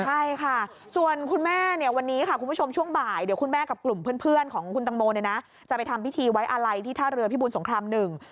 ใช่ค่ะส่วนคุณแม่เนี่ยวันนี้ค่ะคุณผู้ชมช่วงบ่ายเดี๋ยวคุณแม่กับกลุ่มเพื่อนของคุณตังโมเนี่ยนะจะไปทำพิธีไว้อาลัยที่ท่าเรือพิบูรสงครามหนึ่ง